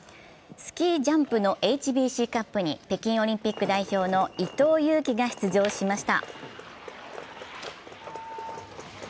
スキージャンプのＨＢＣカップに北京オリンピック代表の伊藤有希が出場しました。